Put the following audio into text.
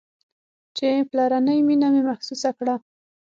چې پلرنۍ مينه مې محسوسه کړه.